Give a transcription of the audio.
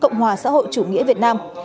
cộng hòa xã hội chủ nghĩa việt nam